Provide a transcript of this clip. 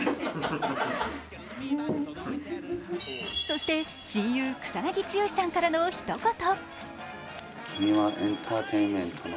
そして、親友・草なぎ剛さんからのひと言。